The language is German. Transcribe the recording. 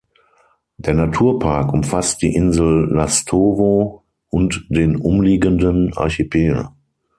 Der Naturpark umfasst die Insel Lastovo und den umliegenden Archipel.